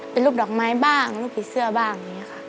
เป็นรูปดอกไม้บ้างรูปผีเสื้อบ้างอย่างนี้ค่ะ